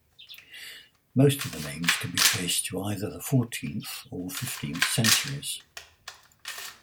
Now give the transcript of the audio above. Most of the names can be traced to either the fourteenth or fifteenth centuries.